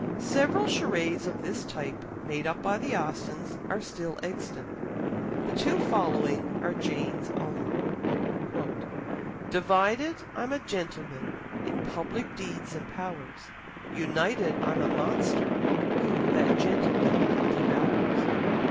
Several charades of this type made up by the Austens are still extant; the two following are Jane's own. "Divided I'm a gentleman In public deeds and powers; United, I'm a monster, who That gentleman devours."